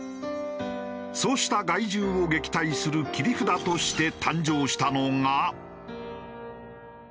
そうした害獣を撃退する切り札として誕生したのが。